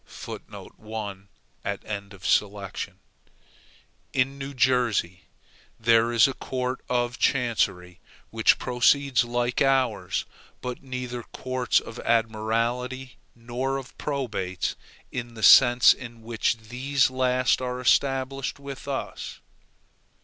(1) In New Jersey, there is a court of chancery which proceeds like ours, but neither courts of admiralty nor of probates, in the sense in which these last are established with us.